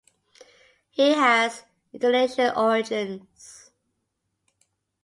He has Indonesian origins.